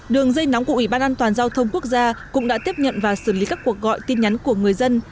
đường dây nóng của ủy ban an toàn giao thông quốc gia cũng đã tiếp nhận và xử lý các cuộc gọi tin nhắn của người dân